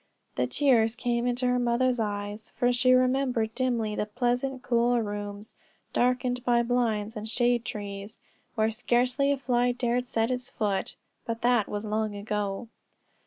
The tears came in her mother's eyes, for she remembered dimly the pleasant cool rooms, darkened by blinds and shade trees, where scarcely a fly dared set it's foot, but that was long ago.